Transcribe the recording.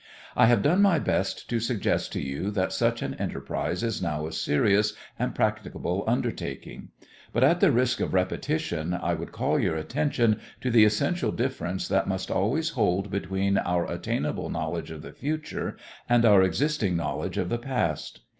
I have done my best to suggest to you that such an enterprise is now a serious and practicable undertaking. But at the risk of repetition I would call your attention to the essential difference that must always hold between our attainable knowledge of the future and our existing knowledge of the past.